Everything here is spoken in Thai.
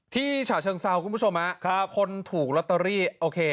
ที่ฉาเชิงเซาคุณผู้ชมอ่ะครับคนถูกล็อตเตอรี่โอเค